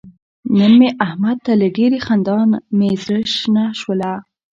نن مې احمد ته له ډېرې خندا مې زره شنه شوله.